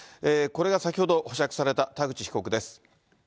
これが先ほど保釈された田口被告です。